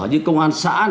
như công an xã